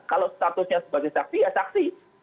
kalau statusnya sebagai saksi ya saksi